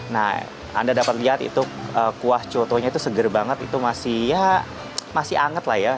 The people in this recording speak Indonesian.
nah anda dapat lihat itu kuah chotonya itu segar banget itu masih ya masih anget lah ya